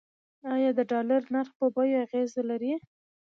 آیا د ډالر نرخ په بیو اغیز لري؟